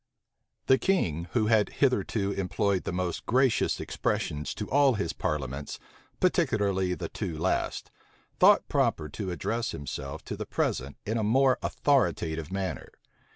The king, who had hitherto employed the most gracious expressions to all his parliaments, particularly the two last, thought proper to address himself to the present in a more authoritative manner.